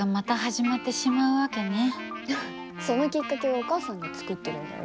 そのきっかけはお母さんが作ってるんだよ。